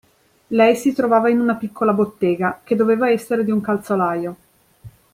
Lei si trovava in una piccola bottega, che doveva essere di un calzolaio.